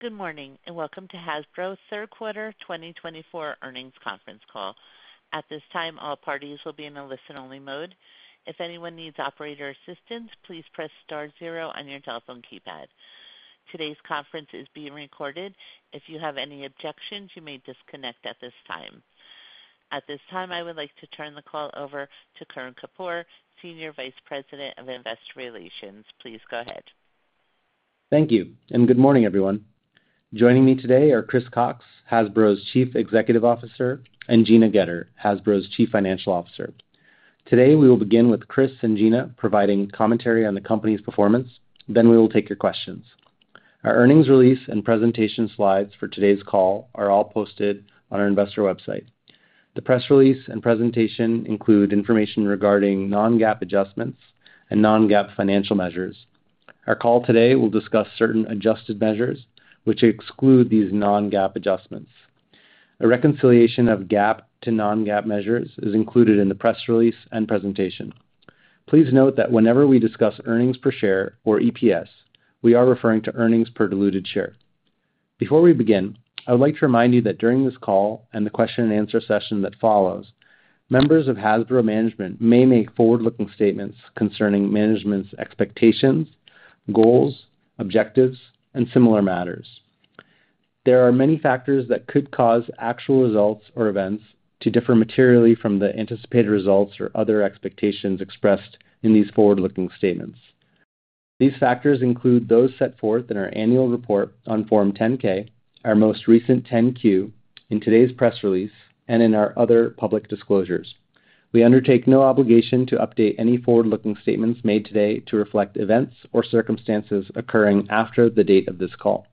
Good morning, and welcome to Hasbro's Third Quarter 2024 Earnings Conference Call. At this time, all parties will be in a listen-only mode. If anyone needs operator assistance, please press star zero on your telephone keypad. Today's conference is being recorded. If you have any objections, you may disconnect at this time. At this time, I would like to turn the call over to Kern Kapoor, Senior Vice President of Investor Relations. Please go ahead. Thank you, and good morning, everyone. Joining me today are Chris Cocks, Hasbro's Chief Executive Officer, and Gina Goetter, Hasbro's Chief Financial Officer. Today, we will begin with Chris and Gina providing commentary on the company's performance, then we will take your questions. Our earnings release and presentation slides for today's call are all posted on our investor website. The press release and presentation include information regarding non-GAAP adjustments and non-GAAP financial measures. Our call today will discuss certain adjusted measures which exclude these non-GAAP adjustments. A reconciliation of GAAP to non-GAAP measures is included in the press release and presentation. Please note that whenever we discuss earnings per share or EPS, we are referring to earnings per diluted share. Before we begin, I would like to remind you that during this call and the question and answer session that follows, members of Hasbro management may make forward-looking statements concerning management's expectations, goals, objectives, and similar matters. There are many factors that could cause actual results or events to differ materially from the anticipated results or other expectations expressed in these forward-looking statements. These factors include those set forth in our annual report on Form 10-K, our most recent 10-Q, in today's press release, and in our other public disclosures. We undertake no obligation to update any forward-looking statements made today to reflect events or circumstances occurring after the date of this call.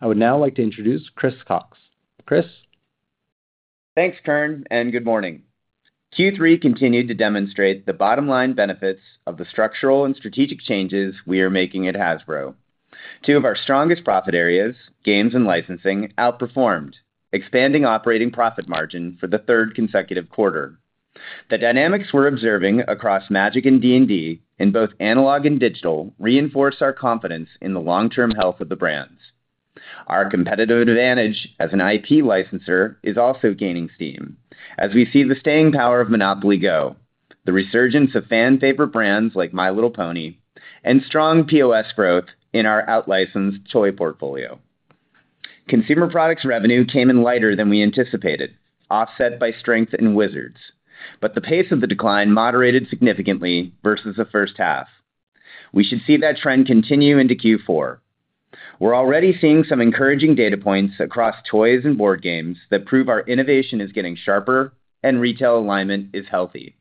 I would now like to introduce Chris Cocks. Chris? Thanks, Kern, and good morning. Q3 continued to demonstrate the bottom-line benefits of the structural and strategic changes we are making at Hasbro. Two of our strongest profit areas, games and licensing, outperformed, expanding operating profit margin for the third consecutive quarter. The dynamics we're observing across Magic and D&D, in both analog and digital, reinforce our confidence in the long-term health of the brands. Our competitive advantage as an IP licensor is also gaining steam as we see the staying power of Monopoly GO!, the resurgence of fan favorite brands like My Little Pony, and strong POS growth in our out-licensed toy portfolio. Consumer products revenue came in lighter than we anticipated, offset by strength in Wizards, but the pace of the decline moderated significantly versus the first half. We should see that trend continue into Q4. We're already seeing some encouraging data points across toys and board games that prove our innovation is getting sharper and retail alignment is healthy.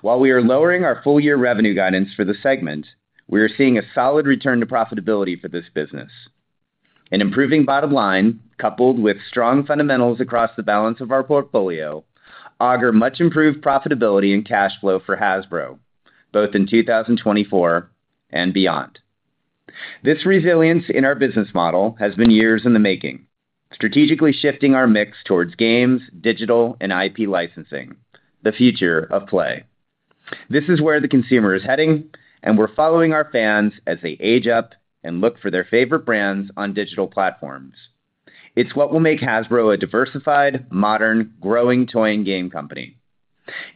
While we are lowering our full-year revenue guidance for the segment, we are seeing a solid return to profitability for this business. An improving bottom line, coupled with strong fundamentals across the balance of our portfolio, augur much improved profitability and cash flow for Hasbro, both in 2024 and beyond. This resilience in our business model has been years in the making, strategically shifting our mix towards games, digital, and IP licensing, the future of play. This is where the consumer is heading, and we're following our fans as they age up and look for their favorite brands on digital platforms. It's what will make Hasbro a diversified, modern, growing toy and game company.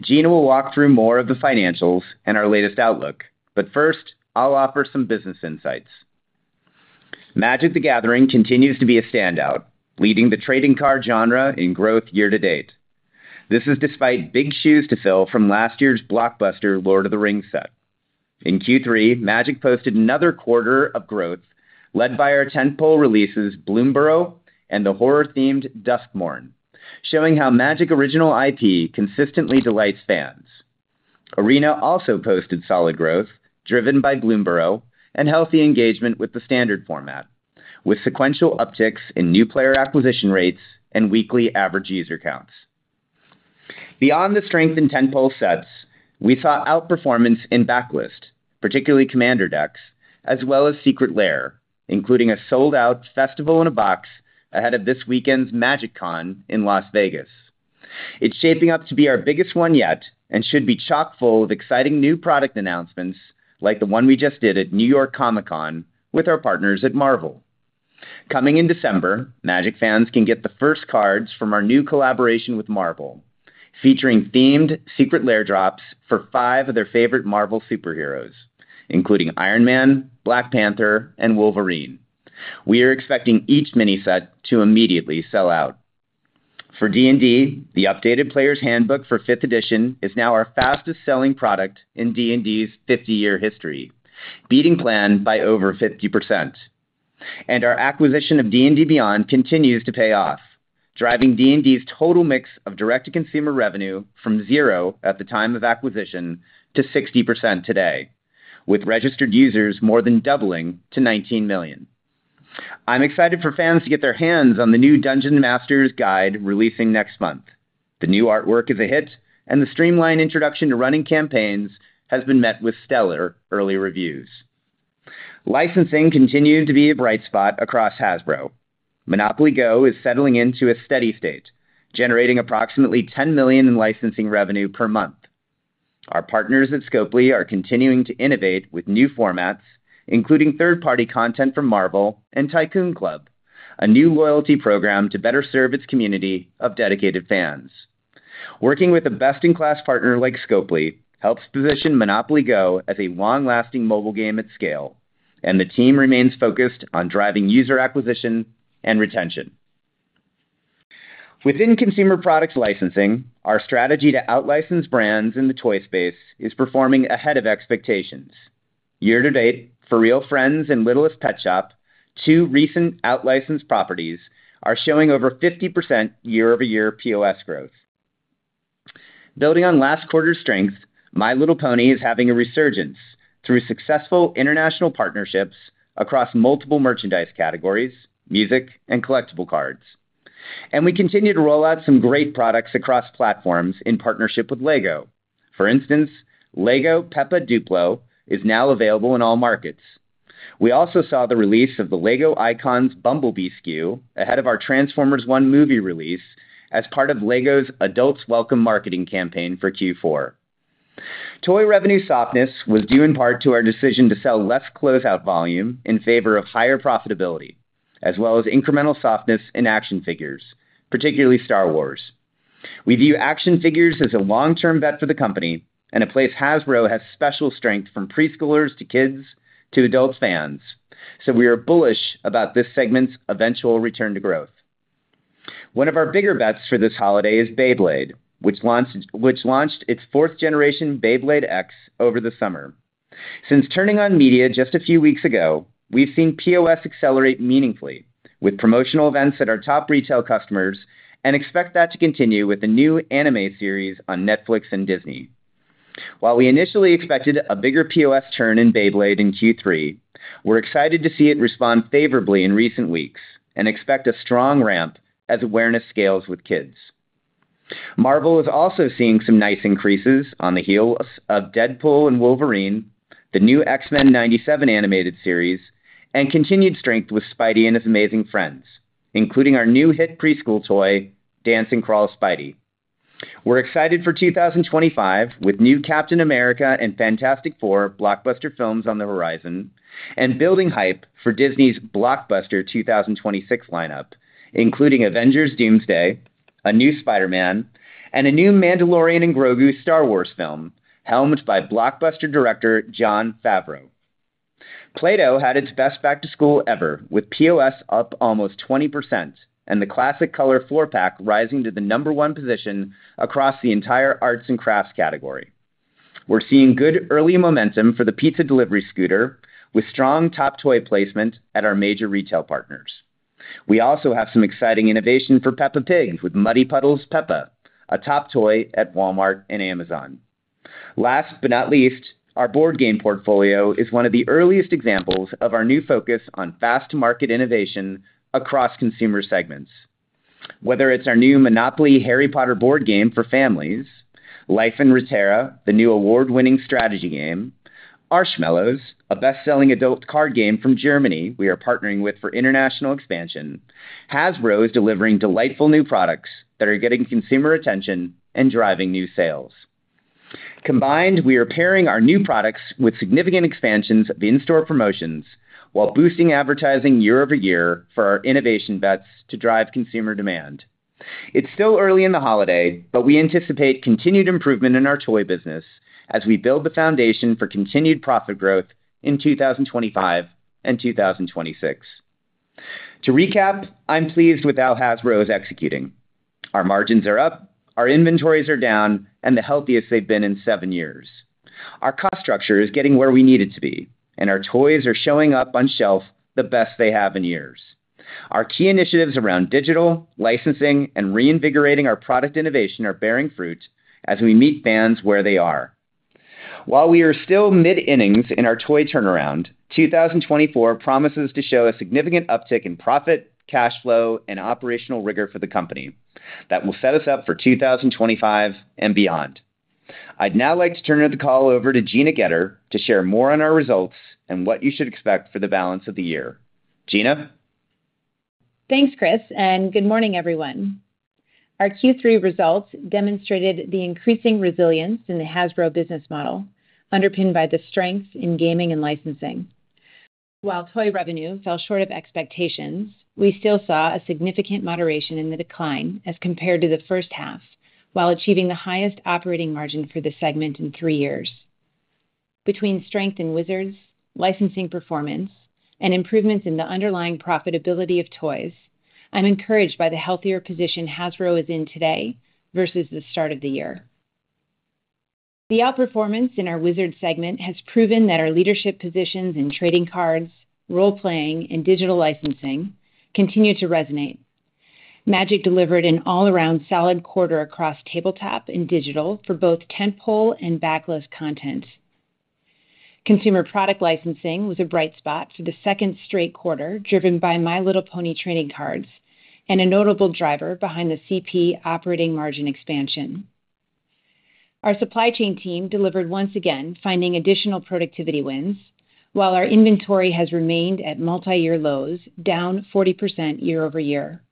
Gina will walk through more of the financials and our latest outlook, but first, I'll offer some business insights. Magic: The Gathering continues to be a standout, leading the trading card genre in growth year-to-date. This is despite big shoes to fill from last year's blockbuster Lord of the Rings set. In Q3, Magic posted another quarter of growth, led by our tentpole releases, Bloomburrow and the horror-themed Duskmourn, showing how Magic original IP consistently delights fans. Arena also posted solid growth, driven by Bloomburrow and healthy engagement with the standard format, with sequential upticks in new player acquisition rates and weekly average user counts. Beyond the strength in tentpole sets, we saw outperformance in backlist, particularly Commander Decks, as well as Secret Lair, including a sold-out Festival in a Box ahead of this weekend's MagicCon in Las Vegas. It's shaping up to be our biggest one yet and should be chock-full of exciting new product announcements like the one we just did at New York Comic Con with our partners at Marvel. Coming in December, Magic fans can get the first cards from our new collaboration with Marvel, featuring themed Secret Lair drops for five of their favorite Marvel superheroes, including Iron Man, Black Panther, and Wolverine. We are expecting each mini set to immediately sell out. For D&D, the updated Player's Handbook for Fifth Edition is now our fastest-selling product in D&D's 50-year history, beating plan by over 50%. And our acquisition of D&D Beyond continues to pay off, driving D&D's total mix of direct-to-consumer revenue from zero at the time of acquisition to 60% today, with registered users more than doubling to 19 million. I'm excited for fans to get their hands on the new Dungeon Master's Guide, releasing next month. The new artwork is a hit, and the streamlined introduction to running campaigns has been met with stellar early reviews. Licensing continued to be a bright spot across Hasbro. Monopoly GO! is settling into a steady state, generating approximately $10 million in licensing revenue per month. Our partners at Scopely are continuing to innovate with new formats, including third-party content from Marvel and Tycoon Club, a new loyalty program to better serve its community of dedicated fans. Working with a best-in-class partner like Scopely helps position Monopoly GO! as a long-lasting mobile game at scale, and the team remains focused on driving user acquisition and retention. Within consumer products licensing, our strategy to out-license brands in the toy space is performing ahead of expectations. Year-to-date, FurReal and Littlest Pet Shop, two recent out-licensed properties, are showing over 50% year-over-year POS growth. Building on last quarter's strength, My Little Pony is having a resurgence through successful international partnerships across multiple merchandise categories, music and collectible cards. And we continue to roll out some great products across platforms in partnership with LEGO. For instance, LEGO Peppa DUPLO is now available in all markets. We also saw the release of the LEGO Icons Bumblebee SKU ahead of our Transformers One movie release as part of LEGO's Adults Welcome marketing campaign for Q4. Toy revenue softness was due in part to our decision to sell less closeout volume in favor of higher profitability, as well as incremental softness in action figures, particularly Star Wars. We view action figures as a long-term bet for the company and a place Hasbro has special strength, from preschoolers to kids to adult fans, so we are bullish about this segment's eventual return to growth. One of our bigger bets for this holiday is Beyblade, which launched its fourth generation, Beyblade X, over the summer. Since turning on media just a few weeks ago, we've seen POS accelerate meaningfully with promotional events at our top retail customers and expect that to continue with the new anime series on Netflix and Disney. While we initially expected a bigger POS turn in Beyblade in Q3, we're excited to see it respond favorably in recent weeks and expect a strong ramp as awareness scales with kids. Marvel is also seeing some nice increases on the heels of Deadpool & Wolverine, the new X-Men '97 animated series, and continued strength with Spidey and His Amazing Friends, including our new hit preschool toy, Dance 'N Crawl Spidey. We're excited for 2025, with new Captain America and Fantastic Four blockbuster films on the horizon, and building hype for Disney's blockbuster 2026 lineup, including Avengers: Doomsday, a new Spider-Man, and a new Mandalorian and Grogu Star Wars film, helmed by blockbuster director Jon Favreau. Play-Doh had its best back-to-school ever, with POS up almost 20% and the classic color four-pack rising to the number one position across the entire arts and crafts category. We're seeing good early momentum for the Pizza Delivery Scooter, with strong top toy placement at our major retail partners. We also have some exciting innovation for Peppa Pig, with Muddy Puddles Peppa, a top toy at Walmart and Amazon. Last but not least, our board game portfolio is one of the earliest examples of our new focus on fast-to-market innovation across consumer segments. Whether it's our new Monopoly Harry Potter board game for families, Life in Reterra, the new award-winning strategy game, Arschmallows, a best-selling adult card game from Germany we are partnering with for international expansion, Hasbro is delivering delightful new products that are getting consumer attention and driving new sales. Combined, we are pairing our new products with significant expansions of in-store promotions, while boosting advertising year-over-year for our innovation bets to drive consumer demand. It's still early in the holiday, but we anticipate continued improvement in our toy business as we build the foundation for continued profit growth in 2025 and 2026. To recap, I'm pleased with how Hasbro is executing. Our margins are up, our inventories are down and the healthiest they've been in seven years. Our cost structure is getting where we need it to be, and our toys are showing up on shelf the best they have in years. Our key initiatives around digital, licensing, and reinvigorating our product innovation are bearing fruit as we meet fans where they are. While we are still mid-innings in our toy turnaround, 2024 promises to show a significant uptick in profit, cash flow, and operational rigor for the company that will set us up for 2025 and beyond. I'd now like to turn the call over to Gina Goetter to share more on our results and what you should expect for the balance of the year. Gina? Thanks, Chris, and good morning, everyone. Our Q3 results demonstrated the increasing resilience in the Hasbro business model, underpinned by the strength in gaming and licensing. While toy revenue fell short of expectations, we still saw a significant moderation in the decline as compared to the first half, while achieving the highest operating margin for the segment in three years. Between strength in Wizards, licensing performance, and improvements in the underlying profitability of toys, I'm encouraged by the healthier position Hasbro is in today versus the start of the year. The outperformance in our Wizards segment has proven that our leadership positions in trading cards, role-playing, and digital licensing continue to resonate. Magic delivered an all-around solid quarter across tabletop and digital for both tentpole and backlist content. Consumer product licensing was a bright spot for the second straight quarter, driven by My Little Pony trading cards and a notable driver behind the CP operating margin expansion. Our supply chain team delivered once again, finding additional productivity wins, while our inventory has remained at multiyear lows, down 40% year-over-year.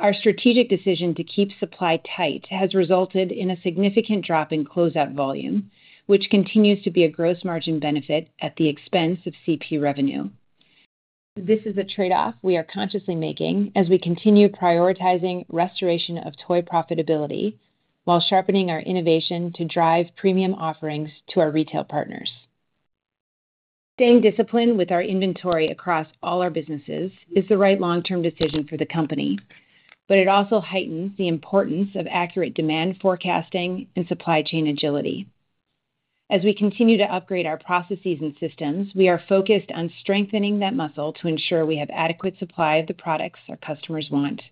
Our strategic decision to keep supply tight has resulted in a significant drop in closeout volume, which continues to be a gross margin benefit at the expense of CP revenue. This is a trade-off we are consciously making as we continue prioritizing restoration of toy profitability, while sharpening our innovation to drive premium offerings to our retail partners. Staying disciplined with our inventory across all our businesses is the right long-term decision for the company, but it also heightens the importance of accurate demand forecasting and supply chain agility. As we continue to upgrade our processes and systems, we are focused on strengthening that muscle to ensure we have adequate supply of the products our customers want.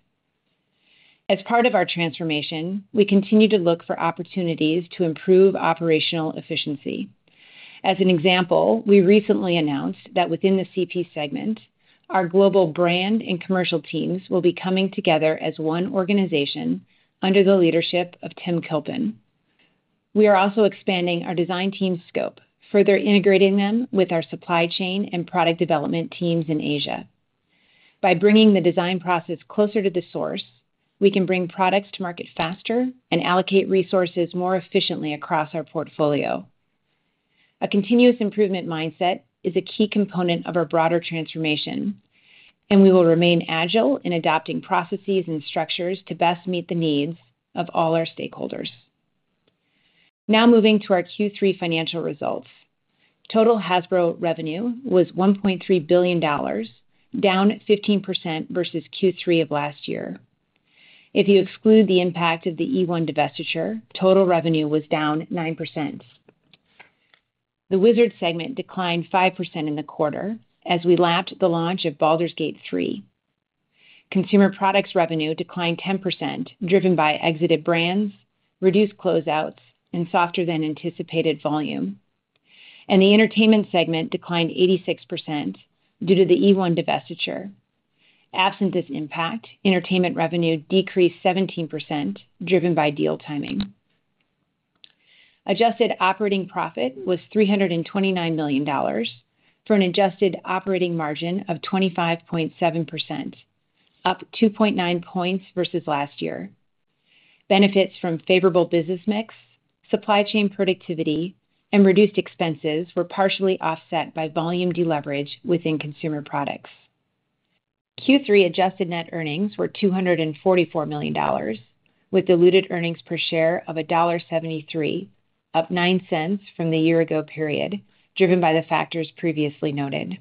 As part of our transformation, we continue to look for opportunities to improve operational efficiency. As an example, we recently announced that within the CP segment, our global brand and commercial teams will be coming together as one organization under the leadership of Tim Kilpin. We are also expanding our design team's scope, further integrating them with our supply chain and product development teams in Asia. By bringing the design process closer to the source, we can bring products to market faster and allocate resources more efficiently across our portfolio. A continuous improvement mindset is a key component of our broader transformation, and we will remain agile in adapting processes and structures to best meet the needs of all our stakeholders. Now moving to our Q3 financial results. Total Hasbro revenue was $1.3 billion, down 15% versus Q3 of last year. If you exclude the impact of the eOne divestiture, total revenue was down 9%. The Wizards segment declined 5% in the quarter as we lapped the launch of Baldur's Gate 3. Consumer products revenue declined 10%, driven by exited brands, reduced closeouts, and softer than anticipated volume. The entertainment segment declined 86% due to the eOne divestiture. Absent this impact, entertainment revenue decreased 17%, driven by deal timing. Adjusted operating profit was $329 million, for an adjusted operating margin of 25.7%, up 2.9 points versus last year. Benefits from favorable business mix, supply chain productivity, and reduced expenses were partially offset by volume deleverage within consumer products. Q3 adjusted net earnings were $244 million, with diluted earnings per share of $1.73, up $0.09 from the year ago period, driven by the factors previously noted.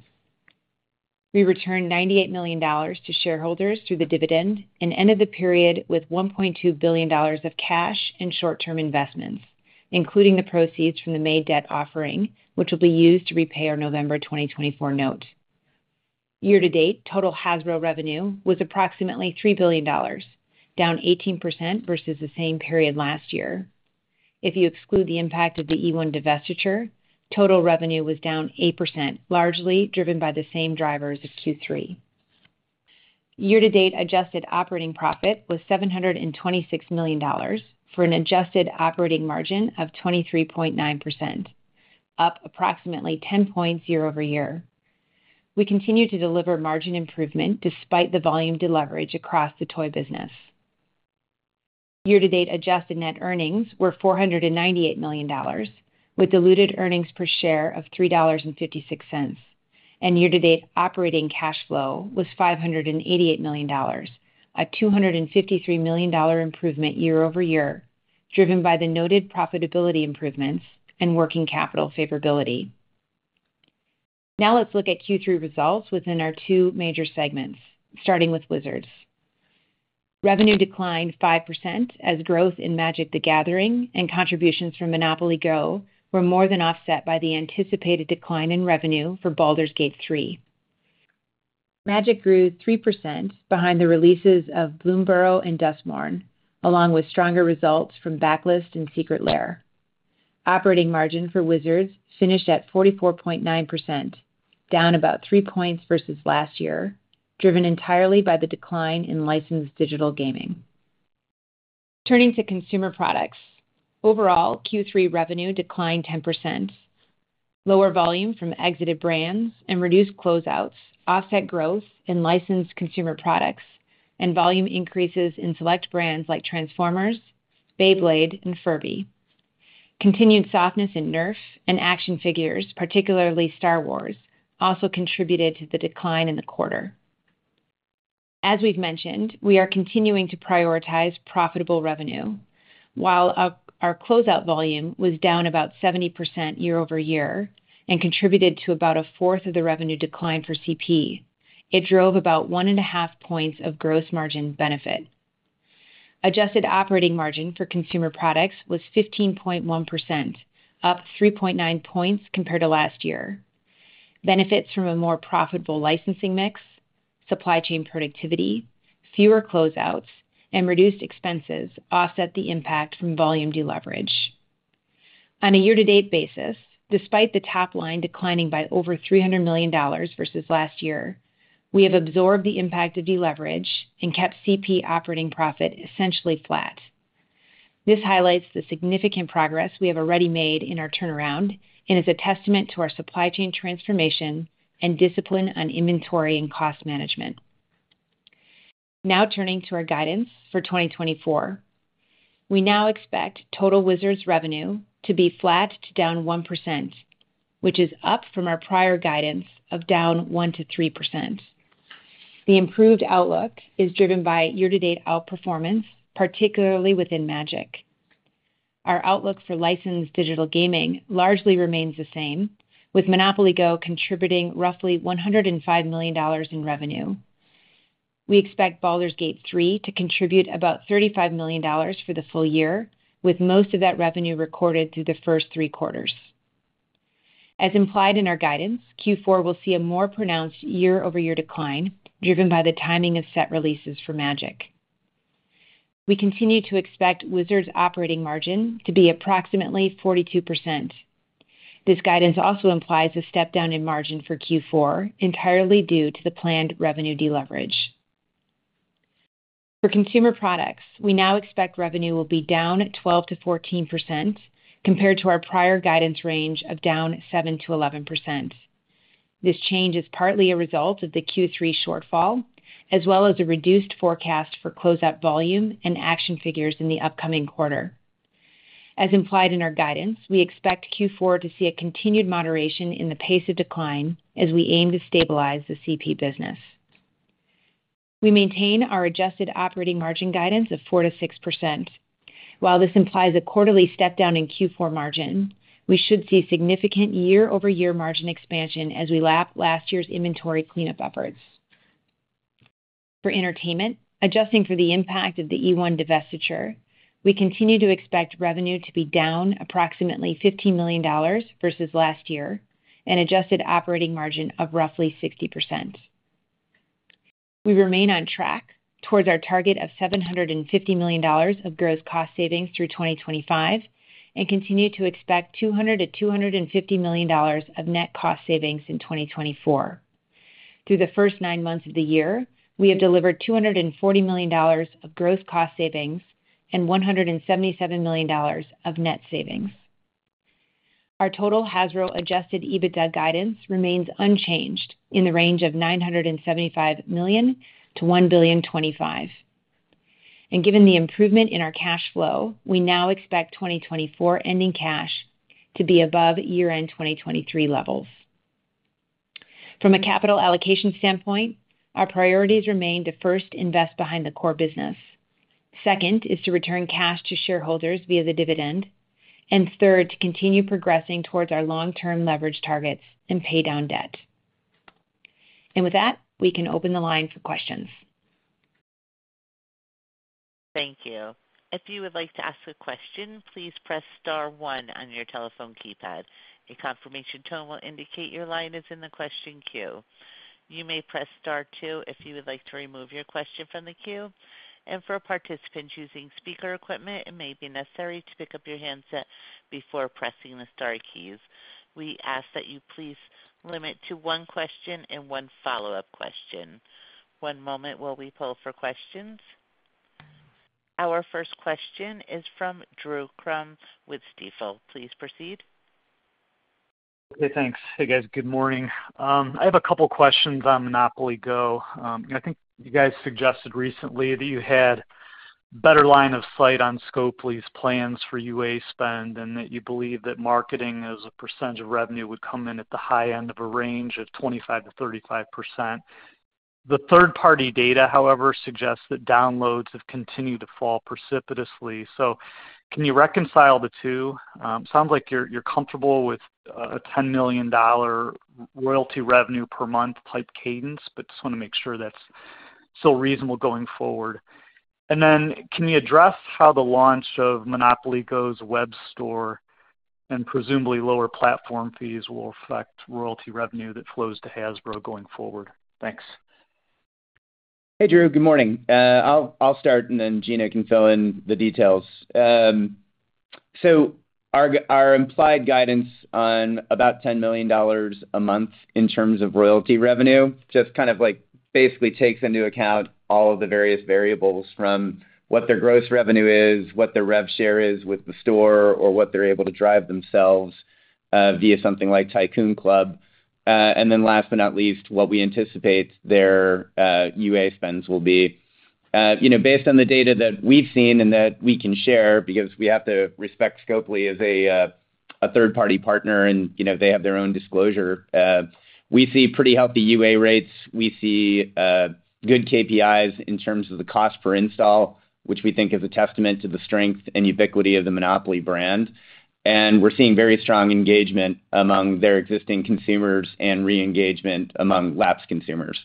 We returned $98 million to shareholders through the dividend and ended the period with $1.2 billion of cash and short-term investments, including the proceeds from the May debt offering, which will be used to repay our November 2024 note. Year-to-date, total Hasbro revenue was approximately $3 billion, down 18% versus the same period last year. If you exclude the impact of the eOne divestiture, total revenue was down 8%, largely driven by the same drivers as Q3. Year-to-date adjusted operating profit was $726 million, for an adjusted operating margin of 23.9%, up approximately 10 points year-over-year. We continue to deliver margin improvement despite the volume deleverage across the toy business. Year-to-date, adjusted net earnings were $498 million, with diluted earnings per share of $3.56, and year-to-date, operating cash flow was $588 million, a $253 million improvement year-over-year, driven by the noted profitability improvements and working capital favorability. Now let's look at Q3 results within our two major segments, starting with Wizards. Revenue declined 5% as growth in Magic: The Gathering and contributions from Monopoly GO! were more than offset by the anticipated decline in revenue for Baldur's Gate 3. Magic grew 3% behind the releases of Bloomburrow and Duskmourn, along with stronger results from backlist and Secret Lair. Operating margin for Wizards finished at 44.9%, down about three points versus last year, driven entirely by the decline in licensed digital gaming. Turning to consumer products, overall, Q3 revenue declined 10%. Lower volume from exited brands and reduced closeouts offset growth in licensed consumer products and volume increases in select brands like Transformers, Beyblade, and Furby. Continued softness in Nerf and action figures, particularly Star Wars, also contributed to the decline in the quarter. As we've mentioned, we are continuing to prioritize profitable revenue, while our closeout volume was down about 70% year-over-year and contributed to about a fourth of the revenue decline for CP. It drove about one and a half points of gross margin benefit. Adjusted operating margin for consumer products was 15.1%, up 3.9 points compared to last year. Benefits from a more profitable licensing mix, supply chain productivity, fewer closeouts, and reduced expenses offset the impact from volume deleverage. On a year-to-date basis, despite the top line declining by over $300 million versus last year, we have absorbed the impact of deleverage and kept CP operating profit essentially flat. This highlights the significant progress we have already made in our turnaround and is a testament to our supply chain transformation and discipline on inventory and cost management. Now turning to our guidance for 2024. We now expect total Wizards revenue to be flat to down 1%, which is up from our prior guidance of down 1% to 3%. The improved outlook is driven by year-to-date outperformance, particularly within Magic. Our outlook for licensed digital gaming largely remains the same, with Monopoly GO! contributing roughly $105 million in revenue. We expect Baldur's Gate 3 to contribute about $35 million for the full year, with most of that revenue recorded through the first 3Quarters. As implied in our guidance, Q4 will see a more pronounced year-over-year decline, driven by the timing of set releases for Magic. We continue to expect Wizards operating margin to be approximately 42%. This guidance also implies a step down in margin for Q4, entirely due to the planned revenue deleverage. For consumer products, we now expect revenue will be down 12%-14% compared to our prior guidance range of down 7%-11%. This change is partly a result of the Q3 shortfall, as well as a reduced forecast for closeout volume and action figures in the upcoming quarter. As implied in our guidance, we expect Q4 to see a continued moderation in the pace of decline as we aim to stabilize the CP business. We maintain our adjusted operating margin guidance of 4%-6%. While this implies a quarterly step down in Q4 margin, we should see significant year-over-year margin expansion as we lap last year's inventory cleanup upwards. For entertainment, adjusting for the impact of the eOne divestiture, we continue to expect revenue to be down approximately $50 million versus last year, an adjusted operating margin of roughly 60%. We remain on track towards our target of $750 million of gross cost savings through 2025 and continue to expect $200 million-$250 million of net cost savings in 2024. Through the first nine months of the year, we have delivered $240 million of gross cost savings and $177 million of net savings. Our total Hasbro adjusted EBITDA guidance remains unchanged in the range of $975 million to $1.025 billion. Given the improvement in our cash flow, we now expect 2024 ending cash to be above year-end 2023 levels. From a capital allocation standpoint, our priorities remain to, first, invest behind the core business. Second is to return cash to shareholders via the dividend, and third, to continue progressing towards our long-term leverage targets and pay down debt, and with that, we can open the line for questions. Thank you. If you would like to ask a question, please press star one on your telephone keypad. A confirmation tone will indicate your line is in the question queue. You may press star two if you would like to remove your question from the queue, and for participants using speaker equipment, it may be necessary to pick up your handset before pressing the star keys. We ask that you please limit to one question and one follow-up question. One moment while we pull for questions. Our first question is from Drew Crum with Stifel. Please proceed. Okay, thanks. Hey, guys. Good morning. I have a couple questions on Monopoly GO! I think you guys suggested recently that you had better line of sight on Scopely's plans for UA spend, and that you believe that marketing as a percentage of revenue would come in at the high end of a range of 25%-35%. The third-party data, however, suggests that downloads have continued to fall precipitously. So can you reconcile the two? Sounds like you're comfortable with a $10 million royalty revenue per month type cadence, but just wanna make sure that's still reasonable going forward. And then can you address how the launch of Monopoly GO!'s web store and presumably lower platform fees will affect royalty revenue that flows to Hasbro going forward? Thanks. Hey, Drew. Good morning. I'll start, and then Gina can fill in the details. So our implied guidance on about $10 million a month in terms of royalty revenue just kind of, like, basically takes into account all of the various variables from what their gross revenue is, what their rev share is with the store, or what they're able to drive themselves via something like Tycoon Club. And then last but not least, what we anticipate their UA spends will be. You know, based on the data that we've seen and that we can share, because we have to respect Scopely as a third-party partner, and you know, they have their own disclosure, we see pretty healthy UA rates. We see good KPIs in terms of the cost per install, which we think is a testament to the strength and ubiquity of the Monopoly brand. And we're seeing very strong engagement among their existing consumers and re-engagement among lapsed consumers.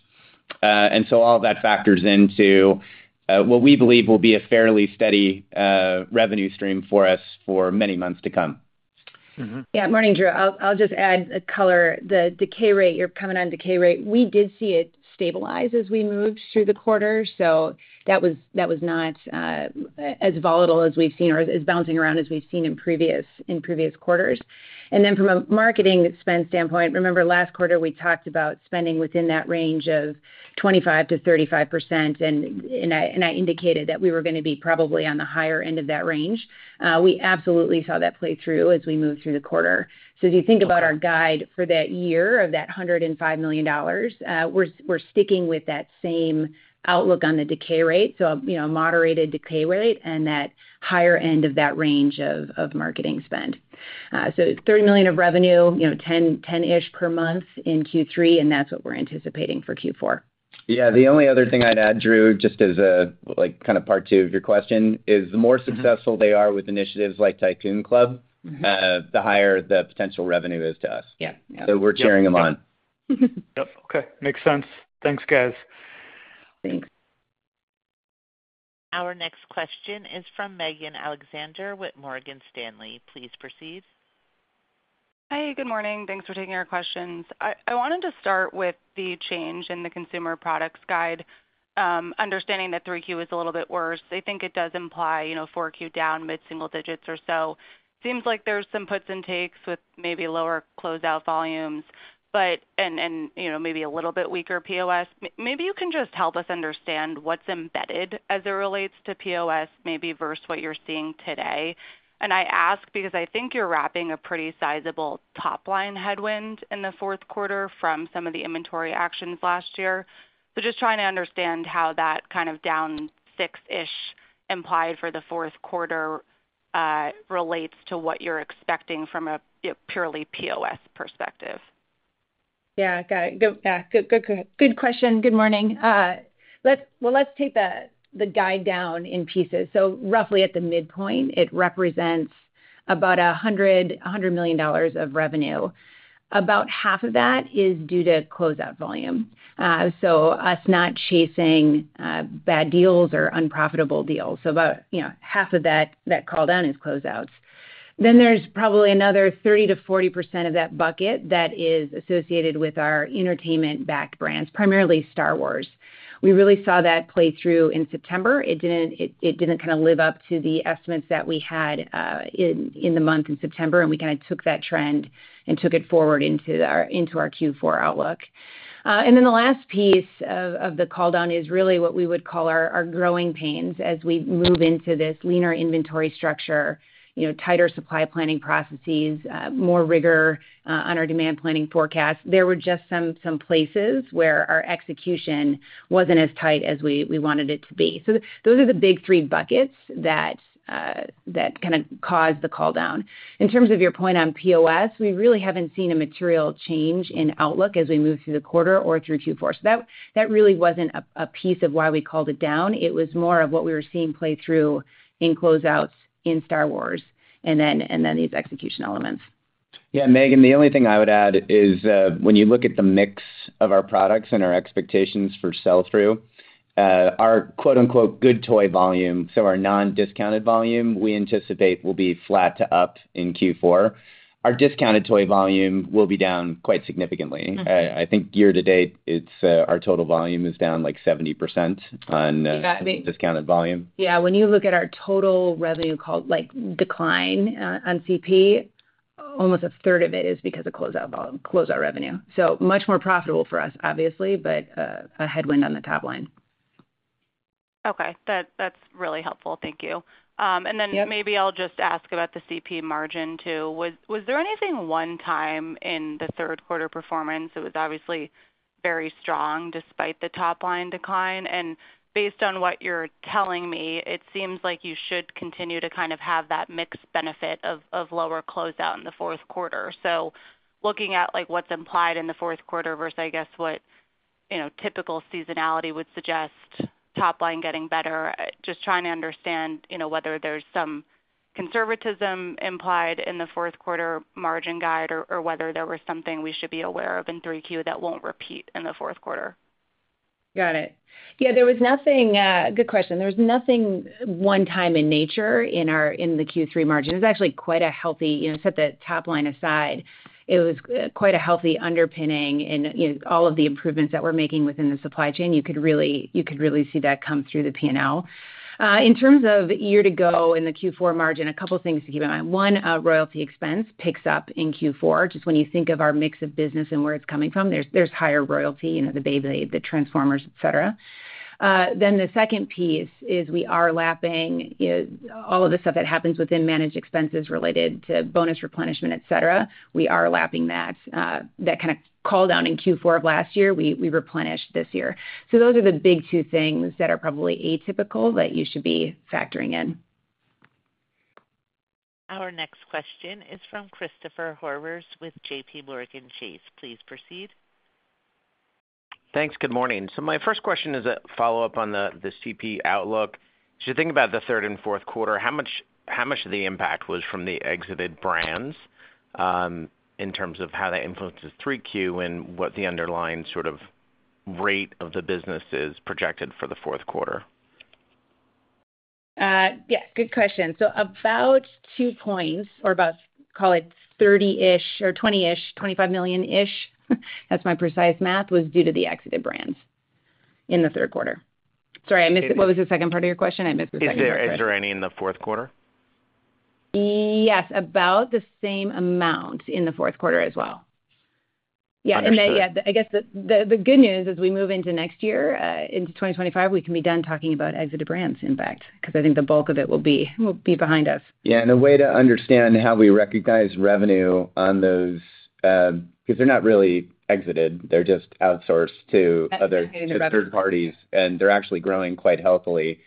And so all of that factors into what we believe will be a fairly steady revenue stream for us for many months to come. Yeah, morning, Drew. I'll just add a color. The decay rate, your comment on decay rate, we did see it stabilize as we moved through the quarter, so that was not as volatile as we've seen or as bouncing around as we've seen in previous quarters. And then from a marketing spend standpoint, remember last quarter, we talked about spending within that range of 25%-35%, and I indicated that we were gonna be probably on the higher end of that range. We absolutely saw that play through as we moved through the quarter. So if you think about our guide for that year of $105 million, we're sticking with that same outlook on the decay rate. So, you know, a moderated decay rate and that higher end of that range of marketing spend. So it's $30 million of revenue, you know, 10, 10-ish per month in Q3, and that's what we're anticipating for Q4. Yeah, the only other thing I'd add, Drew, just as a, like, kind of part two of your question, is the more successful they are with initiatives like Tycoon Club. Mm-hmm. The higher the potential revenue is to us. Yeah. So we're cheering them on. Yep. Okay. Makes sense. Thanks, guys. Thanks. Our next question is from Megan Alexander with Morgan Stanley. Please proceed. Hi, good morning. Thanks for taking our questions. I wanted to start with the change in the consumer products guide, understanding that 3Q is a little bit worse. I think it does imply, you know, 4Q down mid-single digits or so. Seems like there's some puts and takes with maybe lower closeout volumes, but... and, you know, maybe a little bit weaker POS. Maybe you can just help us understand what's embedded as it relates to POS, maybe versus what you're seeing today. And I ask because I think you're wrapping a pretty sizable top-line headwind in the fourth quarter from some of the inventory actions last year. So just trying to understand how that kind of down 6-ish implied for the fourth quarter relates to what you're expecting from a, you know, purely POS perspective. Yeah, got it. Good question. Good morning. Let's take the guide down in pieces. So roughly at the midpoint, it represents about $100 million of revenue. About half of that is due to closeout volume. So us not chasing bad deals or unprofitable deals. So about, you know, half of that call down is closeouts. Then there's probably another 30%-40% of that bucket that is associated with our entertainment-backed brands, primarily Star Wars. We really saw that play through in September. It didn't kind of live up to the estimates that we had in the month in September, and we kind of took that trend and took it forward into our Q4 outlook. And then the last piece of the call down is really what we would call our growing pains as we move into this leaner inventory structure, you know, tighter supply planning processes, more rigor on our demand planning forecast. There were just some places where our execution wasn't as tight as we wanted it to be. So those are the big three buckets that kind of caused the call down. In terms of your point on POS, we really haven't seen a material change in outlook as we move through the quarter or through Q4. So that really wasn't a piece of why we called it down. It was more of what we were seeing play through in closeouts in Star Wars and then these execution elements. Yeah, Megan, the only thing I would add is, when you look at the mix of our products and our expectations for sell-through, our quote-unquote, "good toy volume," so our non-discounted volume, we anticipate will be flat to up in Q4. Our discounted toy volume will be down quite significantly. Mm-hmm. I think year-to-date, it's our total volume is down, like, 70% on. You got it.... discounted volume. Yeah, when you look at our total revenue call, like, decline on CP, almost a third of it is because of closeout revenue. So much more profitable for us, obviously, but a headwind on the top line. Okay. That, that's really helpful. Thank you, and theaybe I'll just ask about the CP margin, too. Was there anything one-time in the third quarter performance? It was obviously very strong, despite the top-line decline, and based on what you're telling me, it seems like you should continue to kind of have that mix benefit of lower closeout in the fourth quarter. So looking at, like, what's implied in the fourth quarter versus, I guess, what, you know, typical seasonality would suggest, top line getting better. Just trying to understand, you know, whether there's some conservatism implied in the fourth quarter margin guide or whether there was something we should be aware of in 3Q that won't repeat in the fourth quarter. Got it. Yeah, there was nothing. Good question. There was nothing one time in nature in our in the Q3 margin. It was actually quite a healthy, you know, set that top line aside. It was quite a healthy underpinning in, you know, all of the improvements that we're making within the supply chain. You could really, you could really see that come through the P&L. In terms of year to go in the Q4 margin, a couple things to keep in mind: One, our royalty expense picks up in Q4. Just when you think of our mix of business and where it's coming from, there's higher royalty, you know, the Beyblade, the Transformers, et cetera. Then the second piece is we are lapping all of the stuff that happens within managed expenses related to bonus replenishment, et cetera. We are lapping that, that kind of cooldown in Q4 of last year, we replenished this year. So those are the big two things that are probably atypical that you should be factoring in. Our next question is from Christopher Horvers with JPMorgan Chase. Please proceed. Thanks. Good morning. So my first question is a follow-up on the CP outlook. As you think about the third and fourth quarter, how much of the impact was from the exited brands, in terms of how that influences 3Q and what the underlying sort of rate of the business is projected for the fourth quarter? Yeah, good question. So about two points or about, call it 30-ish or 20-ish, 25 million-ish, that's my precise math, was due to the exited brands in the third quarter. Sorry, I missed it. What was the second part of your question? I missed the second part. Is there any in the fourth quarter? Yes, about the same amount in the fourth quarter as well. Yeah. Understood. Then, yeah, I guess the good news as we move into next year, into 2025, we can be done talking about exited brands, in fact, because I think the bulk of it will be behind us. Yeah, and a way to understand how we recognize revenue on those, because they're not really exited, they're just outsourced to other- to third parties, and they're actually growing quite healthily.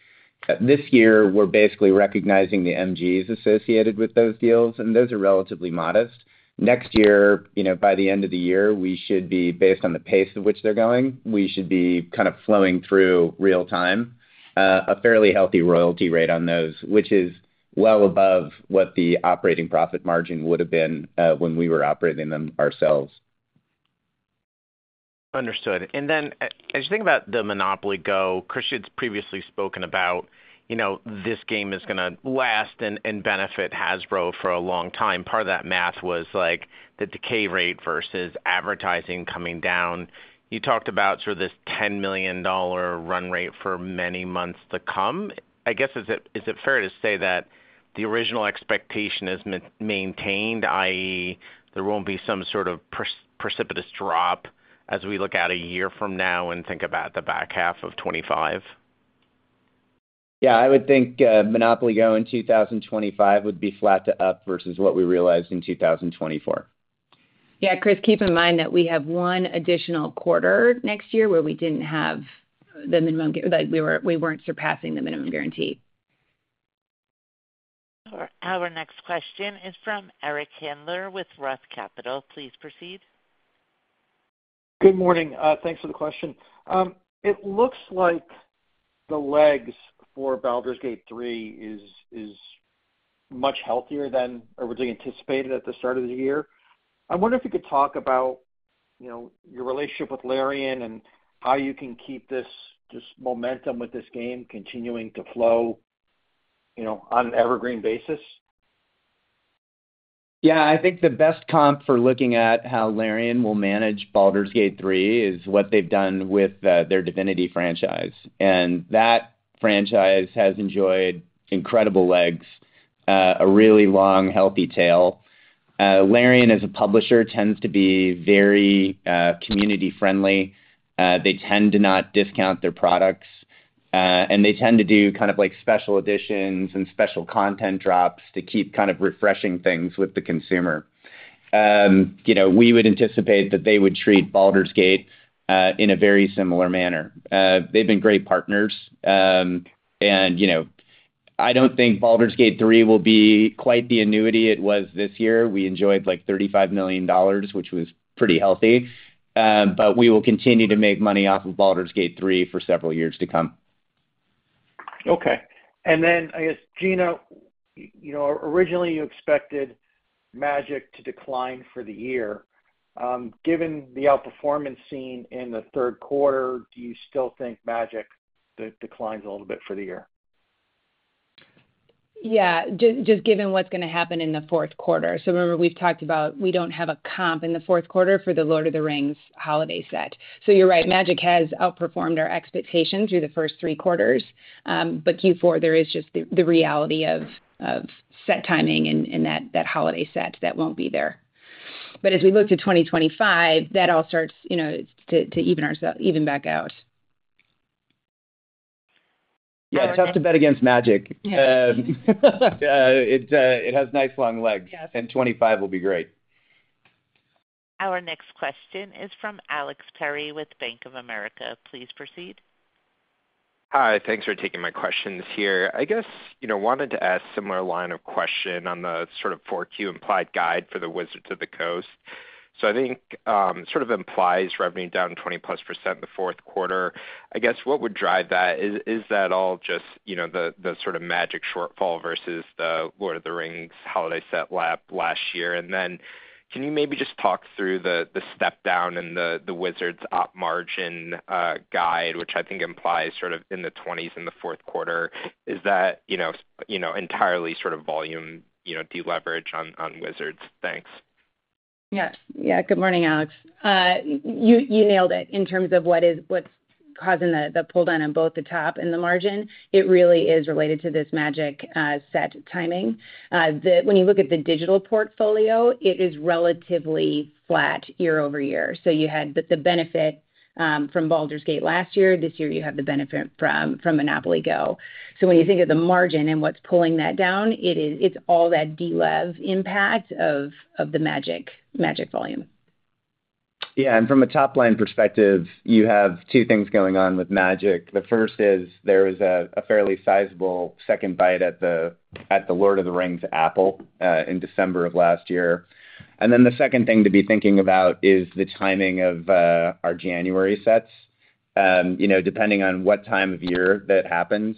This year, we're basically recognizing the MGs associated with those deals, and those are relatively modest. Next year, you know, by the end of the year, we should be, based on the pace of which they're going, we should be kind of flowing through real time, a fairly healthy royalty rate on those, which is well above what the operating profit margin would have been, when we were operating them ourselves. Understood. And then, as you think about the Monopoly GO!, chris has previously spoken about, you know, this game is gonna last and benefit Hasbro for a long time. Part of that math was like the decay rate versus advertising coming down. You talked about sort of this $10 million run rate for many months to come. I guess, is it fair to say that the original expectation is maintained, i.e., there won't be some sort of precipitous drop as we look at a year from now and think about the back half of 2025? Yeah, I would think, Monopoly GO! in 2025 would be flat to up versus what we realized in 2024. Yeah, Chris, keep in mind that we have one additional quarter next year where we didn't have the minimum guarantee. Like, we were, we weren't surpassing the minimum guarantee. Our next question is from Eric Handler with Roth Capital. Please proceed. Good morning. Thanks for the question. It looks like the legs for Baldur's Gate 3 is much healthier than originally anticipated at the start of the year. I wonder if you could talk about, you know, your relationship with Larian and how you can keep this momentum with this game continuing to flow, you know, on an evergreen basis. Yeah, I think the best comp for looking at how Larian will manage Baldur's Gate 3 is what they've done with their Divinity franchise. And that franchise has enjoyed incredible legs, a really long, healthy tail. Larian, as a publisher, tends to be very community friendly. They tend to not discount their products, and they tend to do kind of like special editions and special content drops to keep kind of refreshing things with the consumer. You know, we would anticipate that they would treat Baldur's Gate 3 in a very similar manner. They've been great partners. And, you know, I don't think Baldur's Gate 3 will be quite the annuity it was this year. We enjoyed, like, $35 million, which was pretty healthy. But we will continue to make money off of Baldur's Gate 3 for several years to come. Okay. And then, I guess, Gina, you know, originally, you expected Magic to decline for the year. Given the outperformance seen in the third quarter, do you still think Magic declines a little bit for the year? Yeah, just given what's gonna happen in the fourth quarter. So remember, we've talked about we don't have a comp in the fourth quarter for the Lord of the Rings holiday set. So you're right, Magic has outperformed our expectations through the first third quarters. But Q4, there is just the reality of set timing and that holiday set that won't be there. But as we look to 2025, that all starts, you know, to even ourselves back out. Yeah, it's tough to bet against Magic. Yeah. It has nice long legs. Yes. 25 will be great. Our next question is from Alex Perry with Bank of America. Please proceed. Hi, thanks for taking my questions here. I guess, you know, wanted to ask similar line of question on the sort of Q4 implied guide for the Wizards of the Coast. So I think, sort of implies revenue down 20%+ in the fourth quarter. I guess, what would drive that? Is that all just, you know, the sort of Magic shortfall versus the Lord of the Rings holiday set lapped last year? And then can you maybe just talk through the step down in the Wizards operating margin guide, which I think implies sort of in the 20s, in the fourth quarter? Is that, you know, entirely sort of volume, you know, deleverage on Wizards? Thanks. Yes. Yeah, good morning, Alex. You nailed it in terms of what's causing the pull down on both the top and the margin. It really is related to this Magic set timing. When you look at the digital portfolio, it is relatively flat year-over-year. So you had the benefit from Baldur's Gate last year. This year, you have the benefit from Monopoly GO!. So when you think of the margin and what's pulling that down, it's all that delev impact of the Magic volume. Yeah, and from a top-line perspective, you have two things going on with Magic. The first is there is a fairly sizable second bite at the Lord of the Rings apple in December of last year. And then the second thing to be thinking about is the timing of our January sets. You know, depending on what time of year that happens,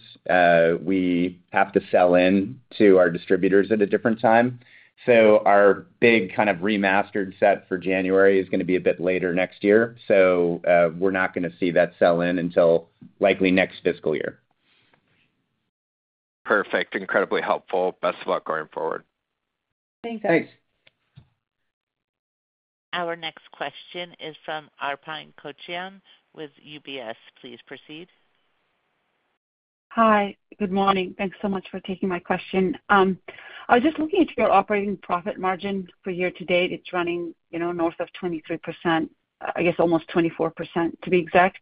we have to sell in to our distributors at a different time. So our big kind of remastered set for January is gonna be a bit later next year. So, we're not gonna see that sell-in until likely next fiscal year. Perfect. Incredibly helpful. Best of luck going forward. Thanks. Our next question is from Arpine Kocharyan with UBS. Please proceed. Hi, good morning. Thanks so much for taking my question. I was just looking at your operating profit margin for year-to-date. It's running, you know, north of 23%, I guess almost 24%, to be exact.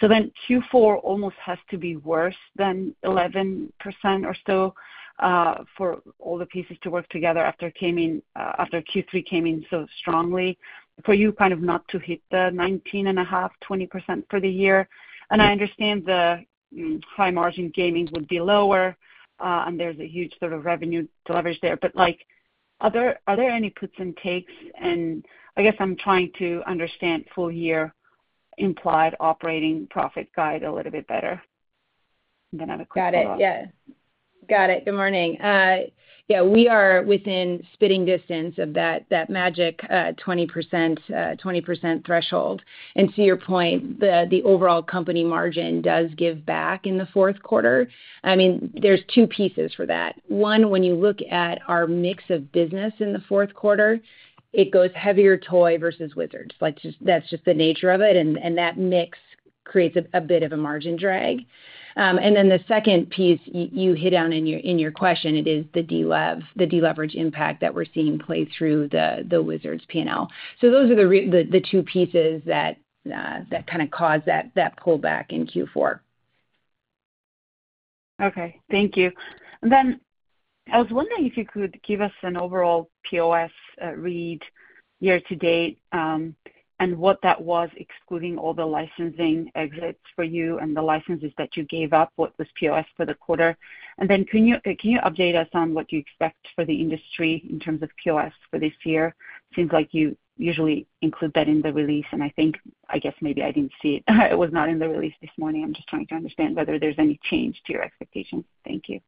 So then Q4 almost has to be worse than 11% or so, for all the pieces to work together after it came in, after Q3 came in so strongly, for you kind of not to hit the 19.5%-20% for the year. And I understand the high margin gaming would be lower, and there's a huge sort of revenue leverage there. But, like, are there any puts and takes? And I guess I'm trying to understand full year implied operating profit guide a little bit better. And then I have a quick follow-up. Got it. Yeah. Got it. Good morning. Yeah, we are within spitting distance of that magic 20% threshold. And to your point, the overall company margin does give back in the fourth quarter. I mean, there's two pieces for that. One, when you look at our mix of business in the fourth quarter, it goes heavier Toy versus Wizards. Like, that's just the nature of it, and that mix creates a bit of a margin drag. And then the second piece you hit on in your question, it is the deleverage impact that we're seeing play through the Wizards P&L. So those are the two pieces that kind of cause that pullback in Q4. Okay. Thank you. And then I was wondering if you could give us an overall POS read year-to-date, and what that was excluding all the licensing exits for you and the licenses that you gave up, what was POS for the quarter? And then can you update us on what you expect for the industry in terms of POS for this year? Seems like you usually include that in the release, and I think, I guess maybe I didn't see it. It was not in the release this morning. I'm just trying to understand whether there's any change to your expectations. Thank you.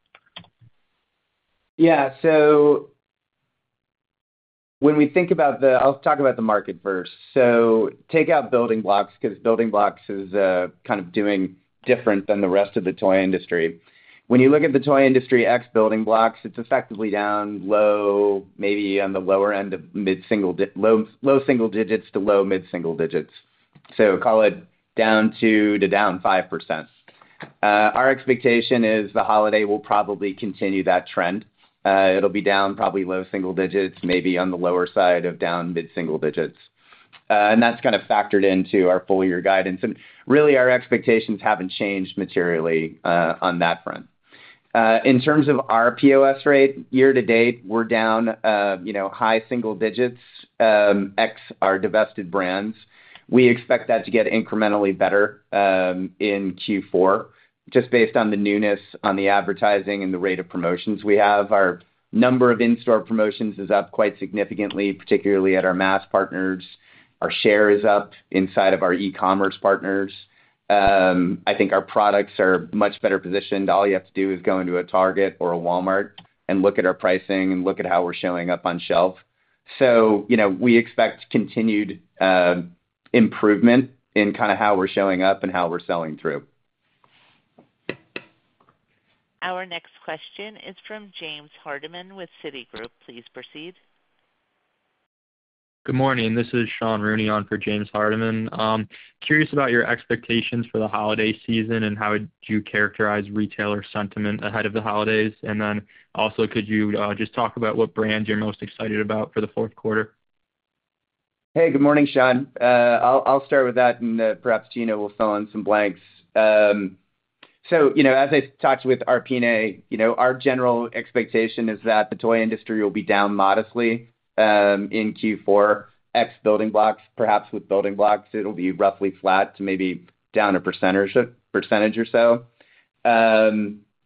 Yeah. So when we think about the... I'll talk about the market first. So take out building blocks, because building blocks is kind of doing different than the rest of the toy industry. When you look at the toy industry ex building blocks, it's effectively down low, maybe on the lower end of mid-single low single digits to low mid-single digits. So call it down 2% to down 5%. Our expectation is the holiday will probably continue that trend. It'll be down probably low single digits, maybe on the lower side of down mid-single digits. And that's kind of factored into our full year guidance. And really, our expectations haven't changed materially on that front. In terms of our POS rate, year-to-date, we're down, you know, high single digits ex our divested brands. We expect that to get incrementally better in Q4, just based on the newness on the advertising and the rate of promotions we have. Our number of in-store promotions is up quite significantly, particularly at our mass partners. Our share is up inside of our e-commerce partners. I think our products are much better positioned. All you have to do is go into a Target or a Walmart and look at our pricing and look at how we're showing up on shelf. So, you know, we expect continued improvement in kind of how we're showing up and how we're selling through. Our next question is from James Hardiman with Citigroup. Please proceed. Good morning. This is Sean Rooney on for James Hardiman. Curious about your expectations for the holiday season and how would you characterize retailer sentiment ahead of the holidays? And then also, could you, just talk about what brand you're most excited about for the fourth quarter? Hey, good morning, Sean. I'll start with that, and perhaps Gina will fill in some blanks. So you know, as I talked with Arpine, you know, our general expectation is that the toy industry will be down modestly in Q4, ex building blocks. Perhaps with building blocks, it'll be roughly flat to maybe down a percentage or so.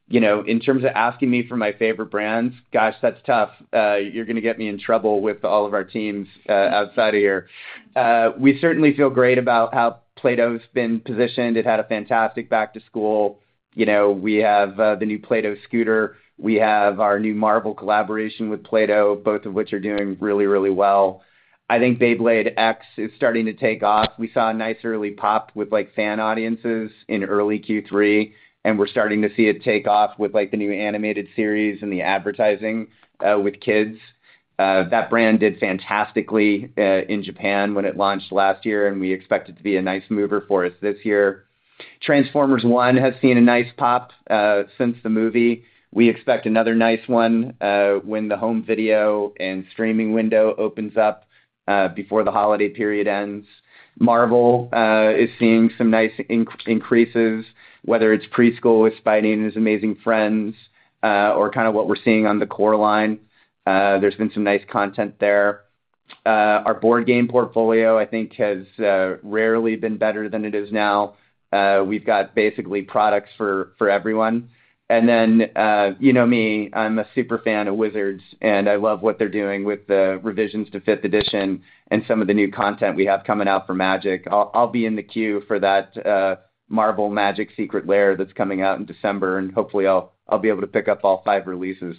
You know, in terms of asking me for my favorite brands, gosh, that's tough. You're gonna get me in trouble with all of our teams outside of here. We certainly feel great about how Play-Doh's been positioned. It had a fantastic back to school. You know, we have the new Play-Doh scooter. We have our new Marvel collaboration with Play-Doh, both of which are doing really, really well. I think Beyblade X is starting to take off. We saw a nice early pop with, like, fan audiences in early Q3, and we're starting to see it take off with, like, the new animated series and the advertising with kids. That brand did fantastically in Japan when it launched last year, and we expect it to be a nice mover for us this year. Transformers One has seen a nice pop since the movie. We expect another nice one when the home video and streaming window opens up before the holiday period ends. Marvel is seeing some nice increases, whether it's preschool with Spidey and His Amazing Friends or kind of what we're seeing on the core line. There's been some nice content there. Our board game portfolio, I think, has rarely been better than it is now. We've got basically products for everyone. You know me, I'm a super fan of Wizards, and I love what they're doing with the revisions to Fifth Edition and some of the new content we have coming out for Magic. I'll be in the queue for that Marvel Magic Secret Lair that's coming out in December, and hopefully I'll be able to pick up all five releases.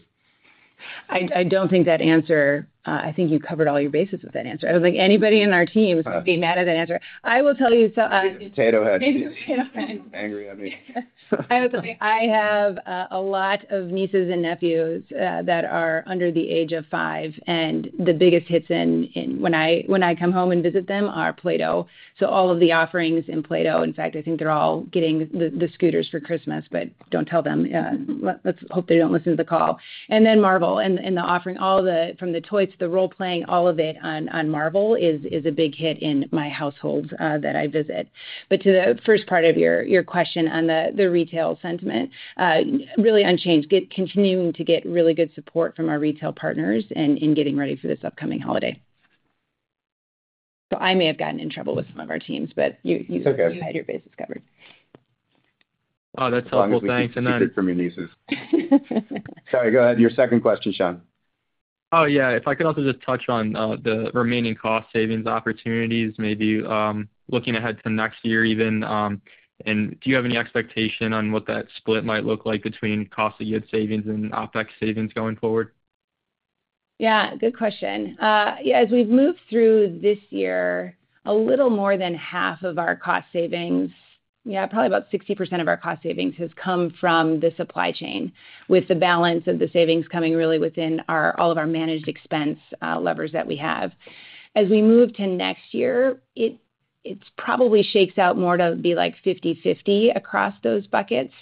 I don't think that answer. I think you covered all your bases with that answer. I don't think anybody in our team would be mad at that answer. I will tell you, Potato head. Potato head. Angry at me. I will tell you, I have a lot of nieces and nephews that are under the age of five, and the biggest hits when I come home and visit them are Play-Doh. So all of the offerings in Play-Doh. In fact, I think they're all getting the scooters for Christmas, but don't tell them. Let's hope they don't listen to the call. And then Marvel and the offerings from the toys to the role-playing, all of it on Marvel is a big hit in my households that I visit. But to the first part of your question on the retail sentiment, really unchanged, continuing to get really good support from our retail partners and in getting ready for this upcoming holiday. So I may have gotten in trouble with some of our teams, but you- It's okay. You had your bases covered. Oh, that's helpful. Thanks. Keep it from your nieces. Sorry, go ahead. Your second question, Sean. Oh, yeah. If I could also just touch on the remaining cost savings opportunities, maybe, looking ahead to next year even, and do you have any expectation on what that split might look like between cost of goods savings and OpEx savings going forward? Yeah, good question. Yeah, as we've moved through this year, a little more than half of our cost savings, yeah, probably about 60% of our cost savings has come from the supply chain, with the balance of the savings coming really within our... all of our managed expense levers that we have. As we move to next year, it's probably shapes out more to be like 50/50 across those buckets.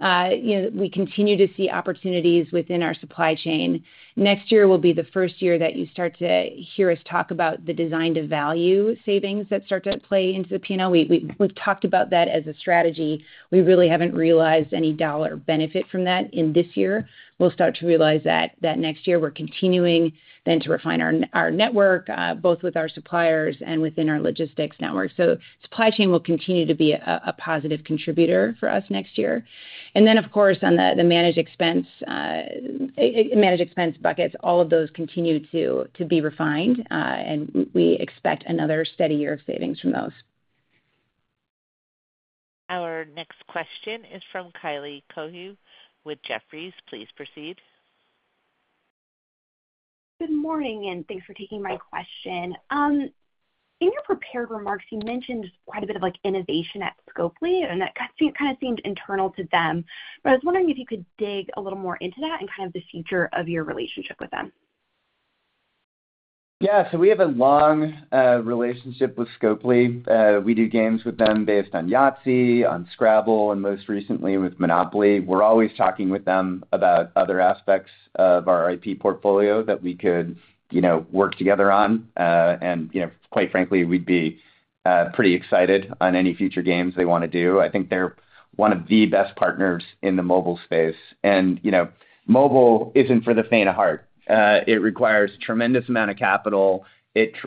You know, we continue to see opportunities within our supply chain. Next year will be the first year that you start to hear us talk about the design-to-value savings that start to play into the P&L. We've talked about that as a strategy. We really haven't realized any dollar benefit from that in this year. We'll start to realize that next year. We're continuing then to refine our network, both with our suppliers and within our logistics network. So supply chain will continue to be a positive contributor for us next year. And then, of course, on the managed expense buckets, all of those continue to be refined, and we expect another steady year of savings from those. Our next question is from Kylie Cohu with Jefferies. Please proceed. Good morning, and thanks for taking my question. In your prepared remarks, you mentioned quite a bit of, like, innovation at Scopely, and that kind of seemed internal to them. But I was wondering if you could dig a little more into that and kind of the future of your relationship with them. Yeah, so we have a long relationship with Scopely. We do games with them based on Yahtzee, on Scrabble, and most recently with Monopoly. We're always talking with them about other aspects of our IP portfolio that we could, you know, work together on. And, you know, quite frankly, we'd be pretty excited on any future games they wanna do. I think they're one of the best partners in the mobile space. And, you know, mobile isn't for the faint of heart. It requires tremendous amount of capital,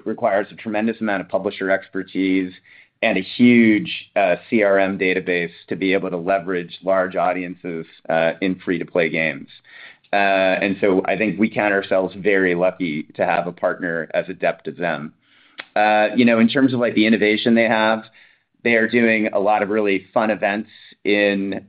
requires a tremendous amount of publisher expertise, and a huge CRM database to be able to leverage large audiences in free-to-play games. And so I think we count ourselves very lucky to have a partner as adept as them. You know, in terms of, like, the innovation they have, they are doing a lot of really fun events in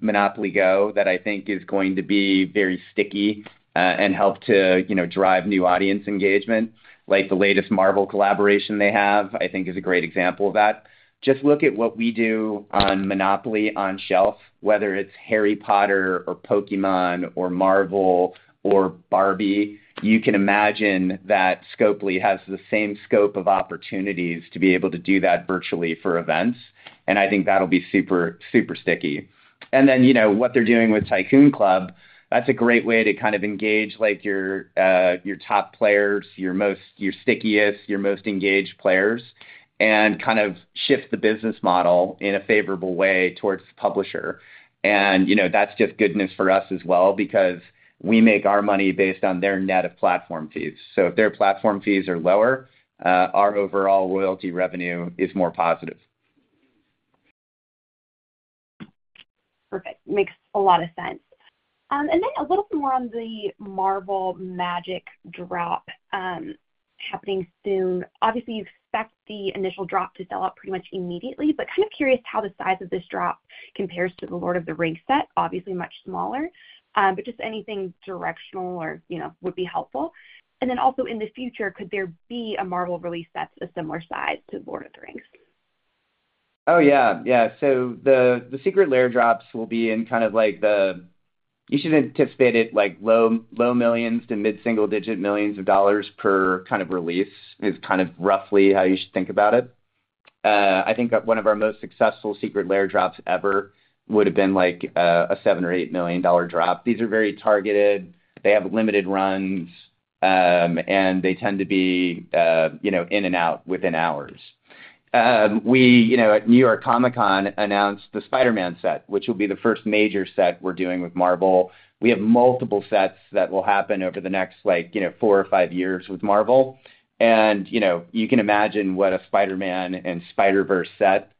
Monopoly GO!, that I think is going to be very sticky, and help to, you know, drive new audience engagement. Like, the latest Marvel collaboration they have, I think is a great example of that. Just look at what we do on Monopoly on shelf, whether it's Harry Potter or Pokémon or Marvel or Barbie, you can imagine that Scopely has the same scope of opportunities to be able to do that virtually for events, and I think that'll be super, super sticky. And then, you know, what they're doing with Tycoon Club, that's a great way to kind of engage, like, your, your top players, your stickiest, your most engaged players, and kind of shift the business model in a favorable way towards the publisher. And, you know, that's just goodness for us as well, because we make our money based on their net of platform fees. So if their platform fees are lower, our overall royalty revenue is more positive. Perfect. Makes a lot of sense. And then a little more on the Marvel Magic drop, happening soon. Obviously, you expect the initial drop to sell out pretty much immediately, but kind of curious how the size of this drop compares to the Lord of the Rings set. Obviously, much smaller, but just anything directional or, you know, would be helpful. And then also in the future, could there be a Marvel release that's a similar size to Lord of the Rings? Oh, yeah. Yeah. So the Secret Lair drops will be in kind of like the low, low millions to mid-single-digit millions of dollars per kind of release. This is kind of roughly how you should think about it. I think one of our most successful Secret Lair drops ever would have been, like, a $7 million or $8 million drop. These are very targeted. They have limited runs, and they tend to be, you know, in and out within hours. We, you know, at New York Comic Con announced the Spider-Man set, which will be the first major set we're doing with Marvel. We have multiple sets that will happen over the next, like, you know, four or five years with Marvel. You know, you can imagine what a Spider-Man and Spider-Verse set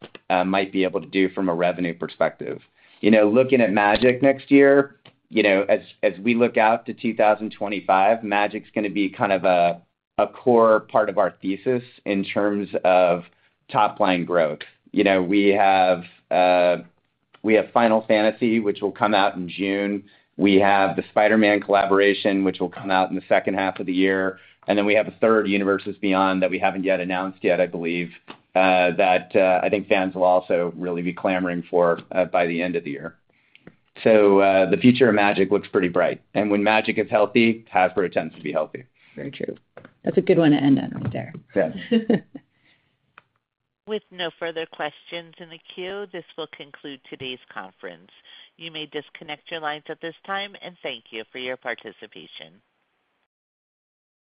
might be able to do from a revenue perspective. You know, looking at Magic next year, you know, as we look out to 2025, Magic's gonna be kind of a core part of our thesis in terms of top-line growth. You know, we have Final Fantasy, which will come out in June. We have the Spider-Man collaboration, which will come out in the second half of the year, and then we have a third Universes Beyond that we haven't announced yet, I believe, that I think fans will also really be clamoring for by the end of the year. The future of Magic looks pretty bright, and when Magic is healthy, Hasbro tends to be healthy. Very true. That's a good one to end on there. Yeah. With no further questions in the queue, this will conclude today's conference. You may disconnect your lines at this time, and thank you for your participation.